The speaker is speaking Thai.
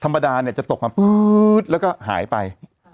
ธรรมดาเนี่ยจะตกมาปื๊ดแล้วก็หายไป